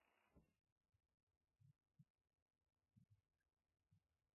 Four years later, Sandlin was defeated for re-election by Republican Louie Gohmert of Tyler.